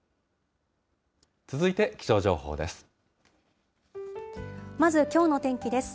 続いて気象情報です。